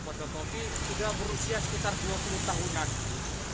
pondokopi sudah berusia sekitar dua puluh tahunan